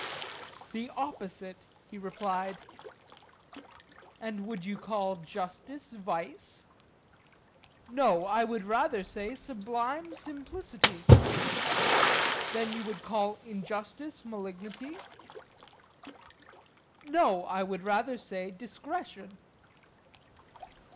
The opposite, he replied. And would you call justice vice? No, I would rather say sublime simplicity. Then would you call injustice malignity? No; I would rather say discretion.